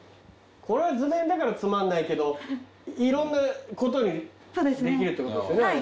これは図面だからつまんないけどいろんなことにできるってことですよね？